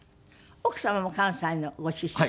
奥様も関西のご出身？